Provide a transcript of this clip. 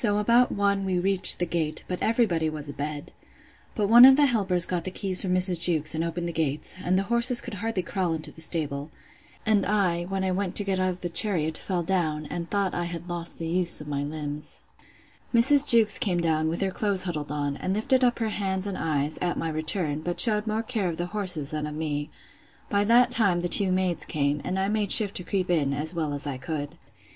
So about one we reached the gate; but every body was a bed. But one of the helpers got the keys from Mrs. Jewkes, and opened the gates; and the horses could hardly crawl into the stable. And I, when I went to get out of the chariot, fell down, and thought I had lost the use of my limbs. Mrs. Jewkes came down with her clothes huddled on, and lifted up her hands and eyes, at my return; but shewed more care of the horses than of me. By that time the two maids came; and I made shift to creep in, as well as I could.